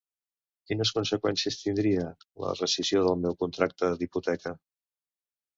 Quines conseqüències tindria la rescissió del meu contracte d"hipoteca?